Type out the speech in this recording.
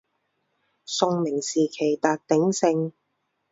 宋明时期达鼎盛。